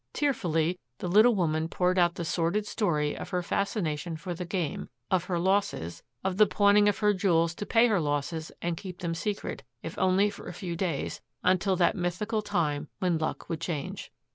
Tearfully, the little woman poured out the sordid story of her fascination for the game, of her losses, of the pawning of her jewels to pay her losses and keep them secret, if only for a few days, until that mythical time when luck would change.